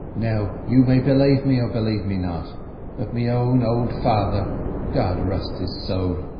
Now, you may b'lave me or b'lave me not, but me own ould father—God rest his sowl!